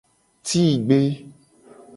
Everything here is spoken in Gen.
Tigbe.